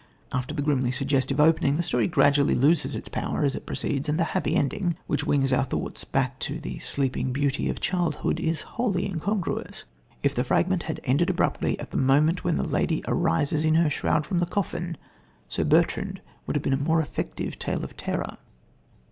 After the grimly suggestive opening, the story gradually loses in power as it proceeds and the happy ending, which wings our thoughts back to the Sleeping Beauty of childhood, is wholly incongruous. If the fragment had ended abruptly at the moment when the lady arises in her shroud from the coffin, Sir Bertrand would have been a more effective tale of terror.